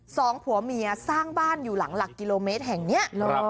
สองผัวเมียสร้างบ้านอยู่หลังหลักกิโลเมตรแห่งนี้